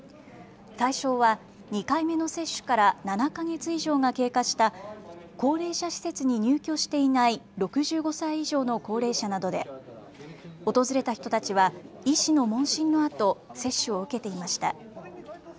対象は２回目の接種から７か月以上が経過した高齢者施設に入居していない６５歳以上の高齢者などで訪れた人たちは医師の問診のあと接種を受けていました。